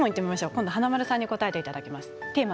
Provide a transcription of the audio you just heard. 今度は華丸さんに答えていただきます。